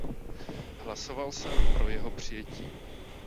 Hlasoval jsem pro jeho přijetí.